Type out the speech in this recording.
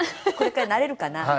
これからなれるかな？